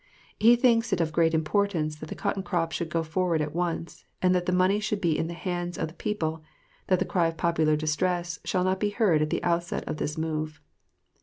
He thinks it of great importance that the cotton crop should go forward at once, and that the money should be in the hands of the people, that the cry of popular distress shall not be heard at the outset of this move.